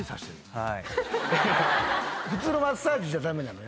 普通のマッサージじゃ駄目なの？